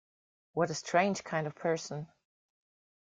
What a strange kind of person!